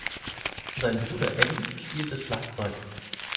Sein Bruder Eddie spielte Schlagzeug.